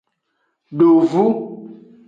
Dovu.